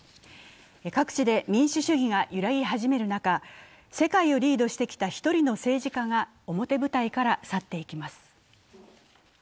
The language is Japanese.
各地で民主主義が揺らぎ始める中、世界をリードしてきた１人の政治家が表舞台から去っていきます。